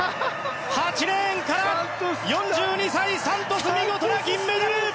８レーンから４２歳、サントス見事な銀メダル！